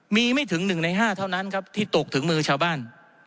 มีไม่ถึง๑ใน๕เท่านั้นครับที่ตกถึงมือชาวบ้าน